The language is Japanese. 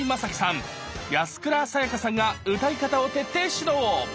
安倉さやかさんが歌い方を徹底指導